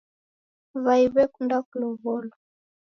W'ai w'ekunda kulowolwa